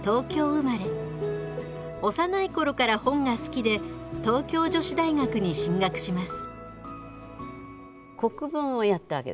幼い頃から本が好きで東京女子大学に進学します。